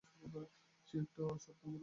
সে একটা সত্যরোমিয়াক।